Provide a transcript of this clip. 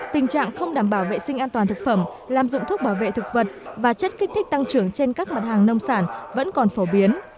tình trạng không đảm bảo vệ sinh an toàn thực phẩm lạm dụng thuốc bảo vệ thực vật và chất kích thích tăng trưởng trên các mặt hàng nông sản vẫn còn phổ biến